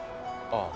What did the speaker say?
ああ。